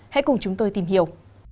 hãy cùng chúng tôi tìm hiểu